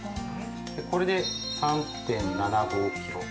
これで３．７５キロ。